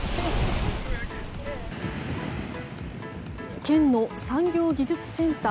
県の産業技術センター